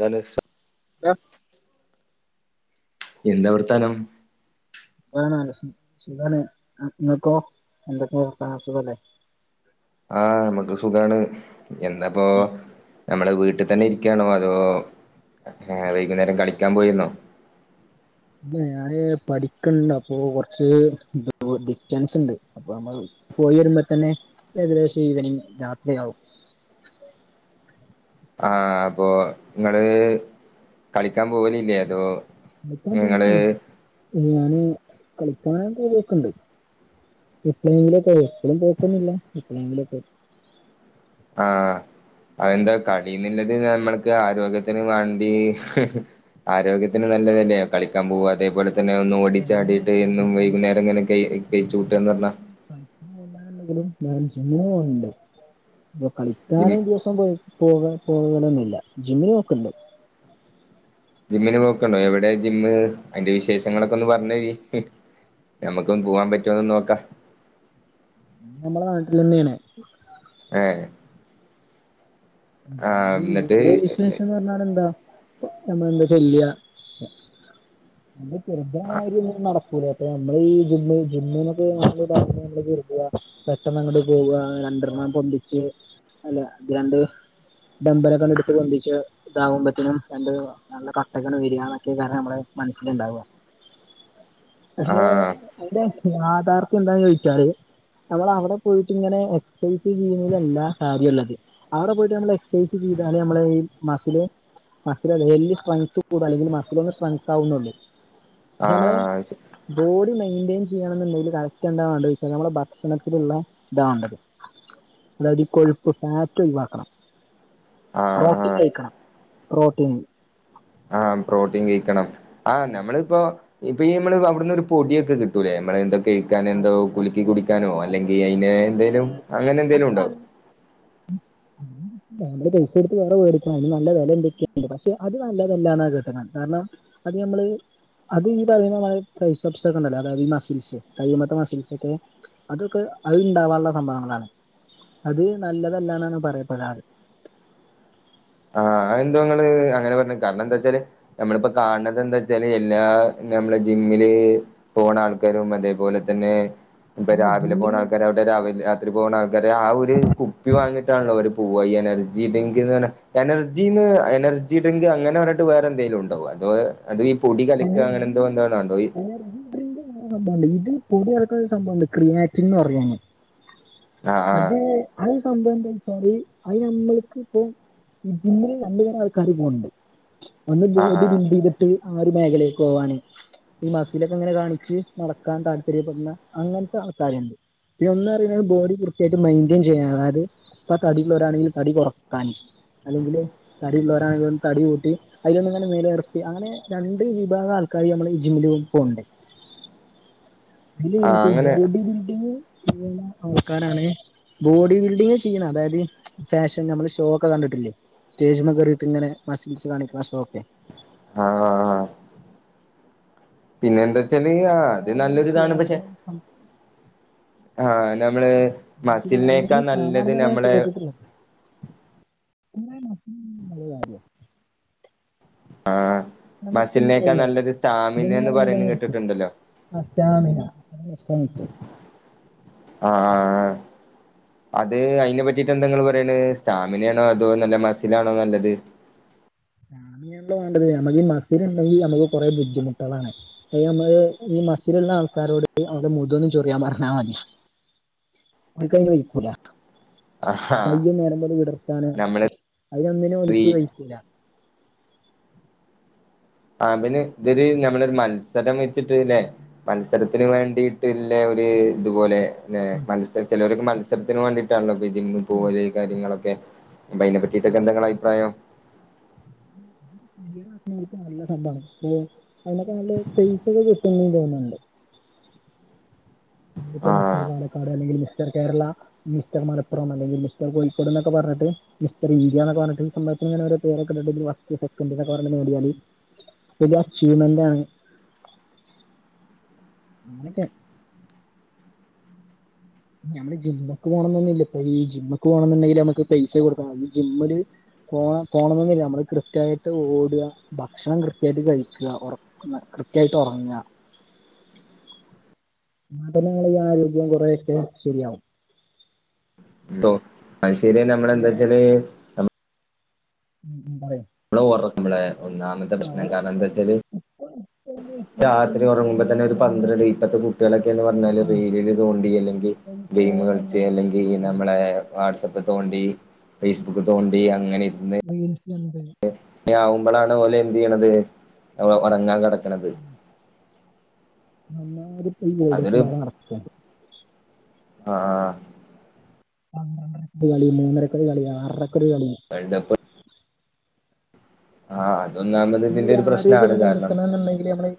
ലാലുസ [unintelligible] ഏ എന്താ വർത്താനം ആണാണ് സുകാണ് ഇങ്ങക്കൊ എന്തൊക്കെവർത്താനം സുഖല്ലേ ആഹ് മ്മക്ക് സുഖാണ് എന്താപ്പൊ നമ്മള് വീട്ടിൽ തന്നെ ഇരിക്കയാണോ അതോ ഹ വൈകുന്നേരം കളിക്കാൻ പോയിരുന്നോ ഇല്ല ഞാന് പഠിക്കിണ്ട് അപ്പൊ കൊറച്ച് ഡിസ്റ്റൻസ് ഉണ്ട് അപ്പ നമ്മള് പോയിവരുമ്പോ തന്നെ ഏകദേശം ഈവനിങ് രാത്രിയാവും ആഹ് അപ്പൊ ഇങ്ങള് കളിക്കാൻ പോവലില്ലേ അതോ കളിക്കാൻ നിങ്ങള് പോക്ക ഞാന് കളിക്കാൻ പോവൊക്കെണ്ട് എപ്ളേലേങ്കിലൊക്കെ എപ്പളും പോക്കൊന്നില്ല എപ്പോളെങ്കിലോക്ക ആഹ് അയെന്താ കളിന്നിള്ളത് നമ്മൾക്ക് ആരോഗ്യത്തിന് വേണ്ടി ആരോഗ്യത്തിന് നല്ലതല്ലേ കളിക്കാൻ പോക അതേപോലെ തന്നെ ഒന്ന് ഞാന് ഓടിച്ചാടിയിട്ട് കളി എന്നും വൈകുന്നേരം കളിക്കാൻ ഇങ്ങനെ ക കയിച്ച് കൂട്ടാന്ന് പറഞ്ഞാ ണെങ്കിലും ഞാൻ ജിമ്മിൽ പോകലുണ്ട് അപ്പൊ കളിക്കാനും മം പോയി പോ പോകലൊന്നുമില്ല ജിമ്മിൽ പോക്കുണ്ട് ജിമ്മിന് പോക്കണ്ടോ എവിടെയ ജിമ്മ് അതിന്റെ വിശേഷങ്ങളൊക്കെ ഒന്ന് പറഞ്ഞേരി ഞമ്മക്കും പോവാൻ പറ്റോന്ന് നോക്കാ നമ്മള് നാട്ടില്ന്നെയാണ് ആഹ് എന്നിട്ട് ഇവിടെ വിശേഷന്ന് പറഞ്ഞാൽ എന്താ നമ്മ എന്താ ചെയ്യ അത് ശെരിക്കും മാതിരി നട അപ്പ നമ്മള് ഈ ജിമ്മി ജിമ്മിനൊക്കെ [unintelligible] പെട്ടെന്ന് അങ്ങട് പോവ രണ്ടെണ്ണണം പൊന്തിച്ച് അല്ലെ അത് രണ്ട് ഡമ്പലെ കണ്ടിട്ട് എടുത്ത് പൊന്തിച്ച് ഇതാകുമ്പോത്തനും രണ്ട് നല്ല കട്ടക്കാണ് ബിരിയാണൊക്കെ കാരണ നമ്മള് മനസ്സിലുണ്ടാവുക ആ പക്ഷേ അതിന്റെ ആധാർക്ക് എന്താന്ന് ചോദിച്ചാല് നമ്മള് അവിടെ പോയിട്ട് ഇങ്ങനെ [unintelligible] ജീനുകളല്ലാ കാര്യള്ളത് അവിടെ പോയിട്ട് നമ്മള് എക്സൈസ് ചെയ്താലെ നമ്മളെ ഈ മസില് മസില് ഡെയ്ലി സ്ട്രെങ്ത്ത് കൂടും അല്ലെങ്കില് മസിലൊന്ന സ്ട്രെങ്ത്ത് ആവുന്നുള്ളൂ ആ പക്ഷെ നമ്മള് ബോഡി മെയിന്റയിൻ ചെയ്യണം എന്നുണ്ടെങ്കില് കറക്റ്റ് എന്താവേണ്ട ചോയിച്ച നമ്മടെ ഭക്ഷണത്തിലുള്ള ഇതാവേണ്ടത് അതായത് കൊഴുപ്പ് ഫാറ്റ് ഒയിവാക്കണം ആ ആ പ്രോട്ടീൻ കഴിക്കണം പ്രോട്ടീന് ആഹ് പ്രോട്ടീൻ കഴിക്കണം ആഹ് ഞമ്മളിപ്പോ ഇപ്പൊ ഈ മ്മള് അവിടന്നൊരു പൊടിയൊക്കെ കിട്ടുവേ മ്മളെ എന്തക്ക കഴിക്കാന് എന്തോ കുലുക്കി കുടിക്കാനോ പക്ഷെ അത് അല്ലെങ്കി അയിന് അത് എന്തേലും അങ്ങനെ എന്തേലും ഉണ്ടാവോ ഞമ്മള് പൈസ എടുത്ത് വേറെ വേടിക്കണം നല്ല വില എന്തൊക്കെയുണ്ട് പക്ഷെ അത് നല്ല വിലാണ് കിട്ടണം കാരണം അത് നമ്മള് അത് ഈ പറയുന്നമാതിരി [unintelligible] ഒക്കെ ഉണ്ടല്ലോ അതായത് മസിൽസ് കൈയ്യുമേക്കെ മസിൽസൊക്കെ അതൊക്കെ അത് ഇണ്ടാകാനുള്ള സംഭവങ്ങളാണ് അത് നല്ലതല്ലാന്നാണ് പറയപ്പെടാത് ആഹ് അത് എന്തോ ങ്ങള് അങ്ങനെ പറഞ്ഞേ കാരണം എന്താ വെച്ചാല് നമ്മളിപ്പോ കാണണത് എന്താ വെച്ചാല് എല്ലാ നമ്മള് ജിമ്മില് പോണ ആൾക്കാരും അതേപോലെ തന്നെ ഇപ്പ രാവിലെ പോണ ജിമ്മില് ആൾക്കാര രാവിലെ രാത്രി പോകുന്ന ആൾക്കാരെ ആ ഒരു കുപ്പി വാങ്ങിട്ടാണല്ലോ അവര് പോവാ ഈ എനർജി ഡ്രിങ്ക് എന്ന് പറഞ്ഞ എനർജീന്ന് എനർജി ഡ്രിങ്ക് അങ്ങനെ പറഞ്ഞിട്ട് വേറെ എന്തെലും ഉണ്ടോ അതോ അതീ പൊടി കലക്ക എനർ അങ്ങനെ എന്തോ എന്തോണാണ്ടോ ഈ [unintelligible] സംഭവണ്ട് ഇതിൽ പുതിയ നടക്കുന്ന ഒരു സംഭവം ഒണ്ട് ക്രീയാറ്റിംഗ് എന്ന് പറയാണ് ആഹ് ആഹ് അത് അത് സംഭവ എന്താച്ചാല് അത് ഞമ്മൾക്കിപ്പോ ഇതില് രണ്ടു തരം ആൾക്കാര് പോണ് ണ്ട് ഒന്ന് ആഹ് ബോഡി ആഹ് ബിൽഡീതിട്ട് ആ ഒരു മേഖലേക്ക് പോവാന് ഈ മസിലൊക്കെങ്ങനെ കാണിച്ച് നടക്കാൻ താല്പര്യപ്പെടുന്ന അങ്ങനത്തെ ആൾക്കാര്ണ്ട് പിന്നെ ഒന്നും അറിലെങ്കി ബോഡി വൃത്തിയായിട്ട് മെയിന്റൻ ചെയ്യാ അതായത് ഇപ്പ തടിള്ളോരാണെങ്കി തടി കൊറക്കാൻ അല്ലെങ്കില് തടി ഉള്ളോരാണെങ്കിലും തടി കൂട്ടി അയിലൊന്നിങ്ങനെ നില നിർത്തി അങ്ങനെ രണ്ട് വിഭാഗം ആൾക്കാര് നമ്മള് ഈ ജിമ് ഗ്രൂപ്പൊണ്ട് അയില് ആഹ് മറ്റേ അങ്ങനെ ബോഡി ബിൽഡിങ് ചെയ്യുന്ന ആൾക്കാരാണ് ബോഡി ബിൽഡിങ് ചെയ്യണ അതായത് ഫാഷൻ നമ്മള് ഷോ ഒക്കെ കണ്ടിട്ടില്ലേ സ്റ്റേജുമ്മെ കേറിട്ടിങ്ങനെ മസിൽസ് കാണിക്ക്ണ ഷോ ഒക്കെ ആ പിന്നെ എന്താച്ചാല് ആ അത് അങ്ങനെയാണ് നല്ലൊരിതാണ് പക്ഷെ ആഹ് നമ്മള് മസിലിനേക്കാൾ നല്ലത് നമ്മളെ [unintelligible] [unintelligible] ഒരു കാര്യം ആ നമുക്കും കഴിയോ ഇതൊന്നും എന്ന് ഇങ്ങനെ പറയുന്ന നിലനിർത്തി കേട്ടിട്ടുണ്ടല്ലോ നഷ്ടമിയ അസ്തമിച്ചു ആ ആ ആ അത് അയിനെ പറ്റിട്ട് എന്താങ്ങള് പറയണ് സ്റ്റാമിന ആണോ അതോ നല്ല മസിലാണോ നല്ലത് ഞ്ഞി എന്താ വേണ്ടത് നമ്മക്കീ മസിലുണ്ടെങ്കി നമുക്ക് കുറെ ബുദ്ധിമുട്ടേളാണ് അത് നമ്മള് ഈ മസിലുള്ള ആൾക്കാരോട് അവിടെ മുതൊന്ന് ചൊറിയാ പറഞ്ഞാ മതി ഇൻകയ്ന് വൈക്കൂല ആഹാ കൈ നേരമ്പോലെ വിടർത്താന് നമ്മള് അതിനൊന്നിനും ഈ ഓൽക്ക് വൈക്കൂല അതിന് ഇവര് നമ്മളൊരു മത്സരം വെച്ചിട്ട് ല്ലെ മത്സരത്തിന് വേണ്ടിട്ടില്ല ഒരു ഇതുപോലെ ല്ലെ മത്സരി ചെലോരൊക്കെ മത്സരത്തിന് വേണ്ടിയിട്ടാണല്ലോ ജിമ്മി പോവല് കാര്യങ്ങളൊക്കെ അപ്പ അയിനെപറ്റീട്ടൊക്കെ എന്താ ങ്ങളെ അഭിപ്രായം ഈ ഒരു നാട്ടിലൊക്കെ നല്ല ടമ്പാണ് അപ്പോ അതിനൊക്കെ നല്ലസൈസുള്ളത് പിന്നെന്തോന്നുണ്ട് ഇതിപ്പോ ആ മിസ്റ്റർ പാലക്കാട് അല്ലെങ്കിൽ മിസ്റ്റർ കേരള മിസ്റ്റർ മലപ്പുറം അല്ലെങ്കിൽ മിസ്റ്റർ കോഴിക്കോട് ന്നൊക്കെ പറഞ്ഞിട്ട് മിസ്റ്റർ ഇന്ത്യാന്നൊക്ക പറഞ്ഞിട്ട് സമയത്തിങ്ങനെ ഓരോ പേരൊക്ക ഇട്ടിട്ട് ഇതില് വർക്ക് സെക്കന്റിനൊരു ഓവറ് നേടിയാല് അതൊരു അച്ചീവ്മെന്റാണ് അങ്ങനക്കെ ഞമ്മള് ജിമ്മിക്ക് പോണോന്നന്നുല്ല പ്പൊ ഈ ജിമ്മുക്ക് പോണന്നുണ്ടെങ്കില് നമുക്ക് പൈസ കൊടുക്കണം ഈ ജിമ്മില് പോണം പോണോന്നൊന്നുല്ല നമ്മള് കൃത്യായിട്ട് ഓടുക ഭക്ഷണം കൃത്യായിട്ട് കഴിക്ക ഒറ ന്ന കൃത്യായിട്ട് ഒറങ്ങാ നടന്ന് ഏറിയ ആരോഗ്യം കുറേയൊക്കെ ശരിയാവും ഇണ്ടൊ അയ്ശെരിയാ നമ്മളെന്താ പിന്നെ വച്ചാല് ഉം ഉം പറയ് ഇപ്പള് ഒറക്കുമ്പഴേ ഒന്നാമത്തെ പ്രശ്നം കാരണം എന്താച്ചാല് എന്തെ പ്പൊ രാത്രി ഉറങ്ങുമ്പോ തന്നെ ഒരു പന്ത്രണ്ട് ഇപ്പത്തെ കുട്ടികളൊക്കെന്ന് പറഞ്ഞാല് ആ റീലിൽ തോണ്ടി അല്ലെങ്കി ഇപ്പൊ ഈ ഗെയിമ് ഫോൺ കളിച്ചെ വന്നോണ്ടുള്ള അല്ലെങ്കി പ്രശ്നാണ് നമ്മളെ വാട്സപ്പ് തോണ്ടി ഫേസ്ബുക്ക് തോണ്ടി അങ്ങനെ ഇരുന്ന് റീൽസ് ഇണ്ട് ന്തി ആവുമ്പളാണ് ഓല് എന്ത് ചെയ്യണത് ഒറങ്ങാൻ കടക്കണത് നന്ന പ വീട അതൊരു കൂട നടക്കണ്ട് അഹ് ആഹ് പന്ത്രണ്ടരക്കൊരു കളി മൂന്നരക്കൊരു കളി ആറരക്കൊരു കളി വേൾഡ് കപ്പ്‌ ആഹ് അതൊന്നാമത് ഇതിന്റെ ഒരു പ്രശ്നാണ് കാരണം ന്ന്ണ്ടെങ്കിലേ നമ്മള്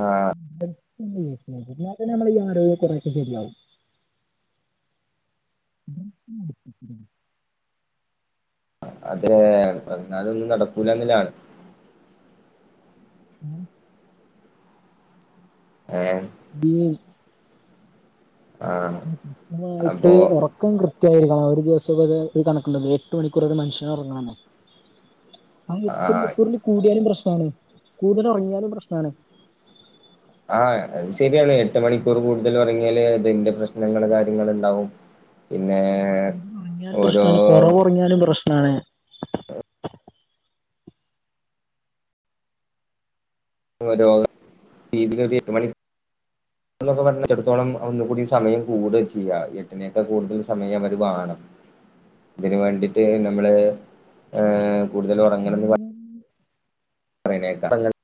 ആഹ് [unintelligible] ല്ലാതന്നെ നമ്മളെ ഈ ആരോഗ്യം [unintelligible] ശരിയാവും [unintelligible] അതെ എന്നാലും ഒന്നും നടക്കൂലന്നിലാണ് [inaudible] [unintelligible] [unintelligible] ആ [unintelligible] ആയിട്ട് അപ്പോ ഒറ- റക്കം കൃത്യയിരിക്കണം ഒരു ദിവസം ഒരു കണക്കുണ്ടല്ലോ എട്ട് മണിക്കൂർ ഒരു മനുഷ്യനൊറങ്ങണംന്ന് ആ എട്ട് മണിക്കൂറിൽ കൂടിയാലും പ്രശ്നാണ് കൂടുതൽ ഒറങ്ങിയാലും പ്രശ്നാണ് ആഹ് അത് ശരിയാണ് എട്ട് മണിക്കൂർ കൂടുതൽ ഒറങ്ങിയാല് അതിന്റെ പ്രശ്നങ്ങള് കാര്യങ്ങളുണ്ടാവും പിന്നെ കൂടുതല് ഒറങ്ങിയാലും ഓരോ പ്രശ്നാണ് കൊറവ് ഒറങ്ങിയാലും പ്രശ്നാണ് രോഗം ഈ [unintelligible] എട്ട് മണി [unintelligible] [unintelligible] ചടത്തോളം ഒന്നുകൂടി സമയം കൂടാ ചെയ്യ എട്ടിനേക്കാൾ കൂടുതൽ സമയം അവർ വാണം [inaudible] അതിന് വേണ്ടിട്ട് നമ്മള് അഹ്, കൂടുതൽ എട്ട് മണീ പ്രണേക്കാം അങ്ങനെ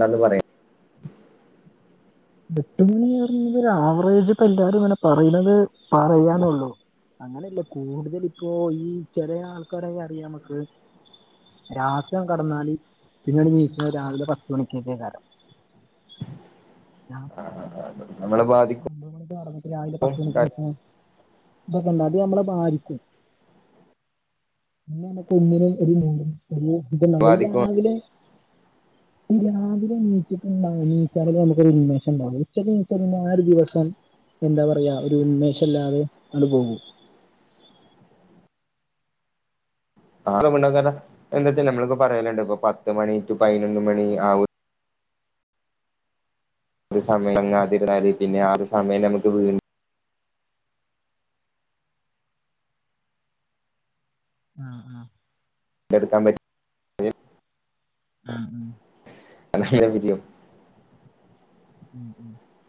ണന്ന് പറയും എട്ടു മണീ പറഞ്ഞഴിഞ്ഞ ഒരു ആവറേജ് ഇപ്പോ എല്ലാരും ഇങ്ങനെ പറയ്ണത് പറയാനുള്ളൂ അങ്ങനെയല്ലേ കൂടുതല് ഇപ്പോ ഈ ചെലെ ആൾക്കാരെ ഈ അറിയാ മ്മക്ക് രാത്രി ഒന്ന് കടന്നാല് പിന്നണ്ട് നീച്ച്ണത് രാവിലെ പത്ത് മണിക്കൊക്കെക്കാരം രാ [unintelligible] നമ്മളെ ബാധിക്കും ഒമ്പത് മണിക്ക് ഒറങ്ങിട്ട് രാവിലെ പത്ത് മണിക്കാ നീച്ച്ണെ ഇതൊക്കെ എന്താ ഇത് നമ്മളെ ബാധിക്കും പിന്ന നമക്ക് ഒന്നിനും ഒരു മൂഡ് [unintelligible] ഇത് ണ്ടാവുല ബാധിക്കും ഈ രാവിലെ ഈ രാവിലെ എണീറ്റിട്ടുണ്ടാവും ണീറ്റാല് നമ്മ ഒരു ഉന്മേഷം ഉണ്ടാവും ഉച്ചക്ക് നീച്ചാ പിന്നെ ആ ഒരു ദിവസം എന്താ പറയാ ഒരു ഉന്മേഷം ഇല്ലാതെ ആണ്ട് പോവും. ആള് മുന്നത്തന്നെ എന്തച്ചാ നമ്മള്പ്പ പറയലുണ്ട് ഇപ്പം പത്ത് മണി ടു പതിനൊന്ന് മണി ആ ഒ ഒരു സമയം അതിരുന്നാല് പിന്നെ ആ ഒരു സമയം നമുക്ക് വീൻ ആഹ് ആഹ് എടുക്കാൻ പറ്റി [unintelligible] [inaudible] അ [unintelligible] [unintelligible]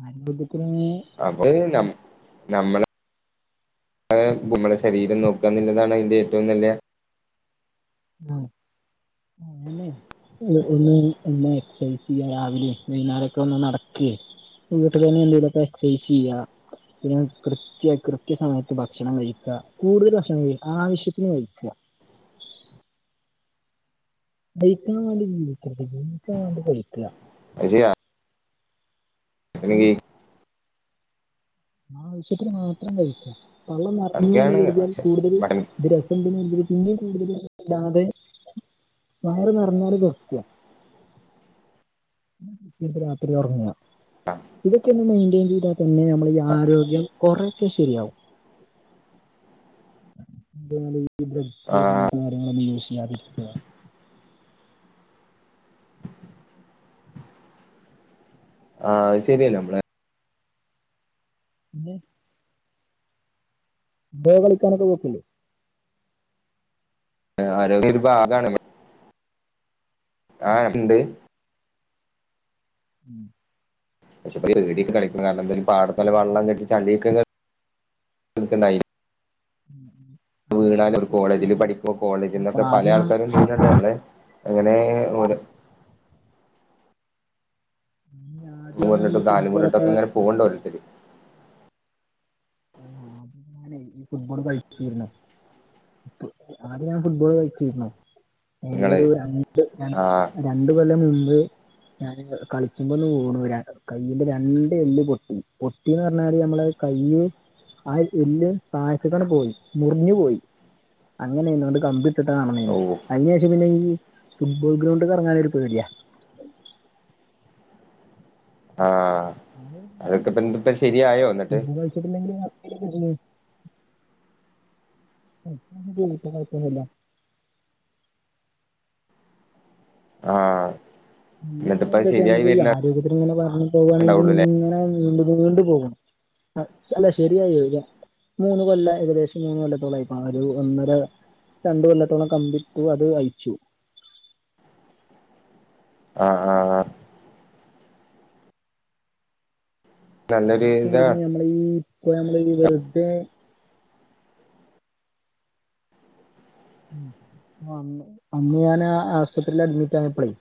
[unintelligible] അത് ഞം ഞമ്മള് ഏ മ്മളെ ശരീരം നോക്കാ എന്നുള്ളതാണ് അതിന്റെ ഏറ്റവും നല്ല ആഹ് ആണല്ലേ ഒന്ന് ഒന്ന് എക്സർസൈസ് ചെയ്യ് രാവിലെ വൈകുന്നേരം ഒക്കെ ഒന്ന് നടക്കെ വീട്ടിൽ തന്നെ എന്റേലോക്കാ എക്സെർസൈസ് ചെയ്യുക കൃത്യ കൃത്യ സമയത്ത് ഭക്ഷണം കഴിക്കുക കൂടുതല് ഭക്ഷണംകഴി ആവശ്യത്തിന് കഴിക്കുക കഴിക്കാൻ വേണ്ടി ജീവിക്കരുത് ജീവിക്കാൻ വേണ്ടി കഴിക്കുക അത് ശെരിയാ അല്ലെങ്കി ആവശ്യത്തിന് മാത്രം കഴിക്കുക പള്ള നിറഞ്ഞൂന്ന് അതൊക്കെയാണ് കഴിഞ്ഞാൽ പക്ഷെ കൂടുതല് [unintelligible] ഇല്ലാതെ വയറ് നിറഞ്ഞാല് നിർത്തുക രാത്രി ഉറങ്ങുക ഇതൊക്കെ ഒന്ന് മെയ്ന്റെയ്ൻ ചെയ്താൽ പിന്നെ നമ്മള് ഈ ആരോഗ്യം കുറേ ഒക്കെ ശരിയാവും [unintelligible] [unintelligible] ആഹ് ശരിയല്ലേ നമ്മളെ പിന്നെ ഫുട്ബോൾ കളിക്കാൻ ഒക്കെ പോത്തില്ലേ ആരോഗ്യം ഒരു ഭാഗാണ് ആഹ് ഉം ഉണ്ട് [inaudible] പക്ഷെ ഈ വേടിയൊക്കെ കളിക്കണ കാരണം എന്താലും പാടം പോലെ വെള്ളം കെട്ടി ചളിയൊക്കെ [inaudible] വീണാലും ഒരു എന്ത് കോളജില് ചെയ്തു? പഠിക്കോ ഞാനിപ്പോ കോളേജിൽന്നൊക്കെ പല ആദ്യം ആൾക്കാരും ചെയ്യുന്നുണ്ട് ഞമ്മള് അങ്ങനെ ഒര് ഈ ആദ്യം ഈ [unintelligible] കാൽ മുറിഞ് ഫുട്ബോളൊക്കെ ട്ടൊക്കെങ്ങനെ പോക് ണ്ട് ഓരോരുത്തര് ആഹ് ഈ ഫുട്ബോള് കളിച്ചിരുന്നോ ആദ്യം ഞാൻ ഫുട്ബോൾ കളിച്ചിരിന്നു നിങ്ങള് ആഹ് [unintelligible] രണ്ടു കൊല്ലം മുമ്പ്ഞാന് കളിക്കുമ്പോന്ന് വിണു രണ്ട് കയ്യിന്റെ രണ്ട് എല്ല് പൊട്ടി പൊട്ടിന്ന് പറഞ്ഞാല് നമ്മള കൈയ് ആ എല്ല് തായ്ത് ക്ക് പോയി മുറിഞ്ഞു പോയി അങ്ങനെയന് ണ്ട് കമ്പി ട്ടിട്ടാ നടന്നീനേ ഓ ഐന്റെശം പിന്നെ ഈ ഫുട്ബോൾ ഗ്രൗണ്ട്ക് ഇറങ്ങാനൊരു പേടിയാ ആഹ അതൊക്കെപ്പ എന്തപ്പ ശരിയായോ എന്നിട്ട് [unintelligible] [unintelligible] ആഹ എന്നാ പിന്നെ എന്തൊക്കെയ നമക്ക് ഈ ആരോഗ്യത്തിന് ഇങ്ങനെ പറഞ് പോകുകയാണെങ്കിലും ഉണ്ടാവുള്ളൂല്ലേ ഇങ്ങനെ നീ ണ്ടു നീണ്ടുപോകും ആ അ ല ശരിയായി വരി മൂന്ന് കൊല്ലം ഏകദേശം മൂന്ന് കൊല്ലത്തോള ഇപ്പൊ ആ ഒരു ഒന്നര രണ്ട്കൊല്ലത്തോളം കമ്പിട്ട് അത് അയച്ചു ആഹ ആഹ നല്ലൊരു അന്നൊക്കെ ഇതാ ഇരുന്നു നമ്മളീഈ ഇപ്പോ നമ്മള്ഈ വെറുതെ ഉ അന്ന്ഞാൻ ആ ആസ്പത്രിൽ അഡ്മിറ്റ് ആയപ്പോളേ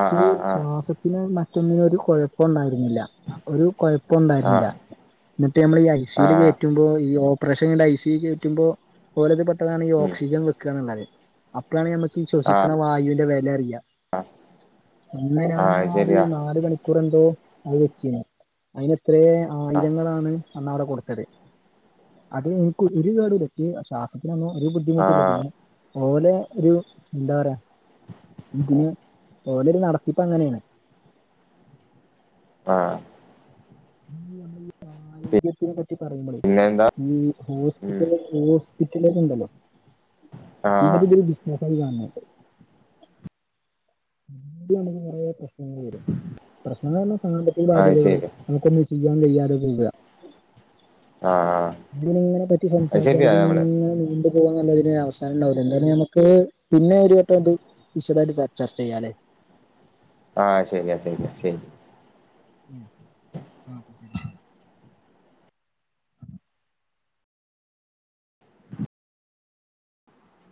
ആഹ് ആഹ് ആഹ് ശ്വാസത്തിന് മറ്റൊന്നിനും ഒരു കുഴപ്പം ഉണ്ടായിരുന്നില്ല - ഒരു കുഴപ്പം ഉണ്ടായിരുന്നില്ല ആഹ് എന്നിട്ട് നമ്മൾ ഈ ഐ സുവിൽ ആഹ് കയറ്റി റ്റുമ്പോ ഈ ഓപ്പറേഷൻ ഐ സി യിൽകയറ്റുമ്പോ ഓലെ പറ്റു ആപളണ് ഈ ഉം ഓക്സിജൻ വെക്ക നുള്ളത് അപ്പോഴാണ് നമുക്ക് ഈ ശ്വസിക്ണ വായുവിന്റെ വില അറിയ അന്ന് ആഹ് അത് ഞാനാഒരു ശരിയാ നാല് മണിക്കൂർ എന്തോ അത് വൊചിന്ന് അതിന് എത്ര ആയിരങ്ങളാണ് അന്ന് അവിടെ കൊടുത്തത്. അതെ എനിക്ക് ഒരു കൊടുല്ല ശ്വാസത്തിനൊന്നും ഒരു ബുദ്ധിമുട്ടില്ല പിന്നെ ഓലെ ഒരു എന്താ പറയാ ഇതിന് ഓലെ ഒരു നടത്തിപ്പ് അങ്ങനെയാണ്. ആഹ് ഇ നമ്മള് അരോഗ്യത്തിനെ പറ്റി പറയുമളേ പിന്നെ എന്താ ഈ ഹോസ് ഇപ്പോ ഉം ഇതേഹോസ്പിറ്റൽ ലോര്ഉണ്ടല്ലോ ആഹ് ഇഞ്ഒരു ബിറ്റ് നസ്ആയി കാണുന്നത്. ഹിന്ദു ആണെങ്കിൽകുറെ പ്രശ്നങ്ങൾ വരും പ്രശ്നങ്ങൾ പറഞ്ഞ സബാത്തിക അത് ബാധ്യതകള് ശരി നമുക്കൊന്ന് ചെയ്യാൻ കഴിയാതെ വര ആഹ് ഇതിനങ്ങനെ പറ്റി അത് സംസാരിച്ചാൽ ശരിയാ നമ്മള് ഇതിങ്ങനെ നിണ്ടു നിണ്ടു പോവ അല്ലാതെ ഇതിന് അവസാനം ഉണ്ടാവില്ല എന്താ നമുക്ക് പിന്നെ ഒരു വട്ടം ഇത് വിശദ ആയിട്ട് ചർച്ച ചെയ്യാംല്ലേ. ആഹ ശരിയാ ശരിയാ ശരി ഉ ആ ശരി